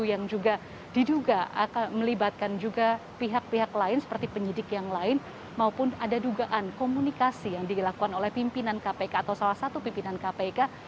yang juga diduga akan melibatkan juga pihak pihak lain seperti penyidik yang lain maupun ada dugaan komunikasi yang dilakukan oleh pimpinan kpk atau salah satu pimpinan kpk